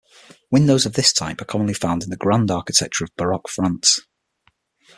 Windows of this type are commonly found in the grand architecture of Baroque France.